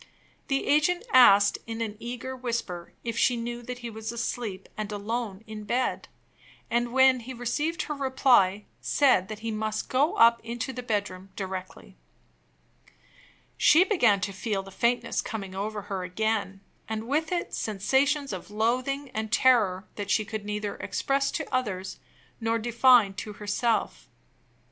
The agent asked in an eager whisper if she knew that he was asleep, and alone in bed? and, when he received her reply, said that he must go up into the bedroom directly. She began to feel the faintness coming over her again, and with it sensations of loathing and terror that she could neither express to others nor define to herself.